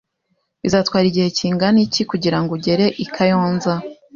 Bizatwara igihe kingana iki kugirango ugere i Kayonza